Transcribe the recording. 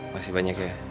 masih banyak ya